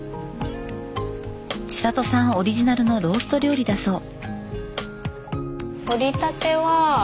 千聖さんオリジナルのロースト料理だそう。